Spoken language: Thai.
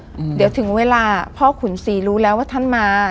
อืมเดี๋ยวถึงเวลาพ่อขุนศรีรู้แล้วว่าท่านมา